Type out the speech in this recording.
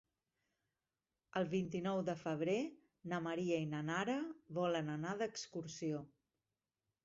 El vint-i-nou de febrer na Maria i na Nara volen anar d'excursió.